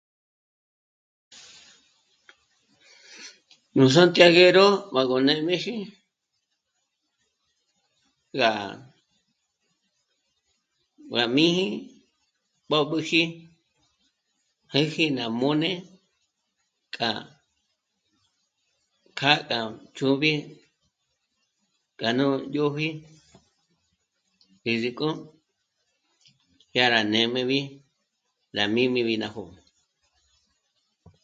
Nú Santiaguero m'â gó nê'm'eji rá jmí'i b'ö̀b'üji jë̂'ji ní ná m'ô'n'e rá kja'á ná... ná ch'ùbi kja ñó 'ùbi 'ìzik'o dyà rá nê'm'ebi rá mí'n'ibi ná jó'o